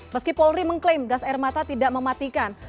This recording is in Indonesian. meski polri mengklaim gas air mata tidak mematikan